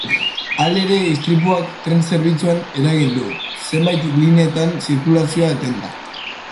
Halere, istripuak tren zerbitzuan eragin du, zenbait lineatan zirkulazioa etenda.